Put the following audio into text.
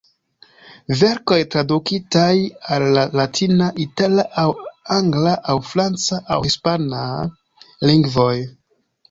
Verkoj tradukitaj al la latina, itala aŭ angla aŭ franca aŭ hispana... lingvoj.